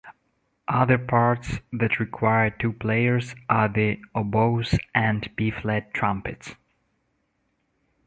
Other parts that require two players are the oboes and B-flat trumpets.